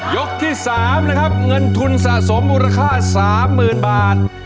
ยกที่๓นะครับเงินทุนสะสมมูลค่า๓๐๐๐บาท